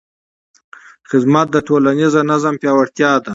خدمت د ټولنیز نظم پیاوړتیا ده.